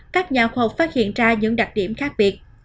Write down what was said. các nhà khoa học phát hiện ra những đặc điểm khác biệt